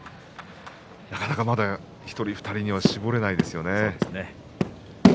なかなかまだ１人２人に絞れないですね。